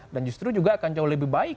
dan justru juga akan jauh lebih baik